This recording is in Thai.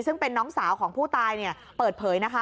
ซึ่งเป็นน้องสาวของผู้ตายเปิดเผยนะคะ